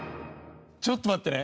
ちょっと待って。